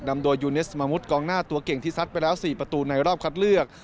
นำโดยยูเนสมามุทกองหน้าตัวเก่งที่ซัดไปแล้ว๔ประตูในรอบคัดเลือก